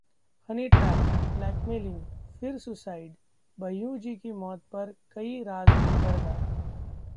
Honey trap, blackmailing, फिर suicide: Bhaiyyuji की मौत पर कई राज बेपर्दा